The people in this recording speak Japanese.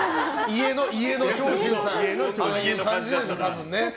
家の長州さんはああいう感じなんでしょうね。